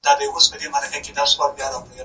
هغه وويل چي فکر ضروري دی!.